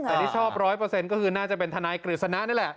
แต่ที่ชอบร้อยเปอร์เซ็นต์ก็คือน่าจะเป็นธนายกริษณะนี่แหละ